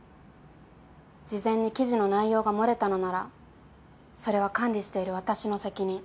事前に記事の内容が漏れたのならそれは管理している私の責任。